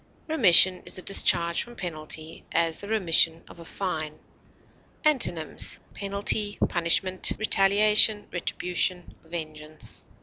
Remission is a discharge from penalty; as, the remission of a fine. Antonyms: penalty, punishment, retaliation, retribution, vengeance.